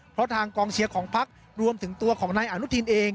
เพราะทางกองเชียร์ของพักรวมถึงตัวของนายอนุทินเอง